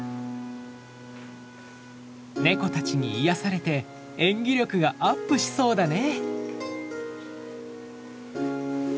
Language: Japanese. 猫たちに癒やされて演技力がアップしそうだね。